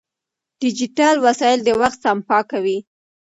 ډیجیټل وسایل د وخت سپما کوي.